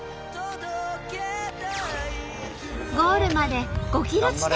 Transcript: ゴールまで５ｋｍ地点。